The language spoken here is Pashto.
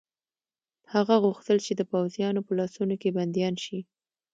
هغه غوښتل چې د پوځیانو په لاسونو کې بندیان شي.